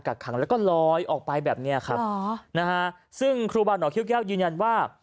กักขังแล้วก็ลอยออกไปแบบเนี้ยครับอ๋อนะฮะซึ่งครูบาหน่อคิ้วแก้วยืนยันว่า